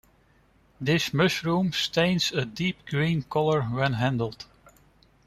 This mushroom stains a deep green color when handled.